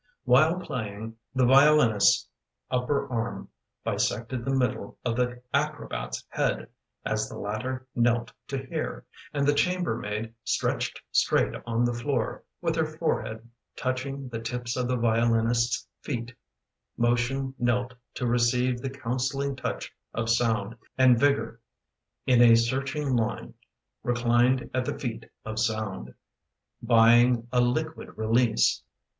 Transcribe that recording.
While playing, the violinist's upper arm Bisected the middle of the acrobat's head As the latter knelt to hear, And the chambermaid Stretched straight on the floor, with her forehead Touching the tips of the violinist's feet Motion knelt to receive The counselling touch of sound, And vigour, in a searching line, Reclined at the feet of sound, Buying a liquid release.